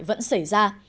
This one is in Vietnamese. vẫn xảy ra